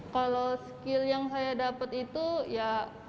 kalau skill yang saya dapat itu ya